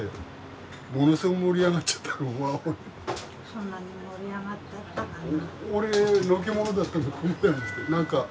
そんなに盛り上がっちゃったかな。